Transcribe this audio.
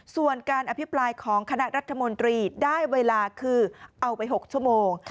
ส่วนการอภิปรายของคณะรัฐมนตรีได้เวลาคือเอาไป๖ชั่วโมง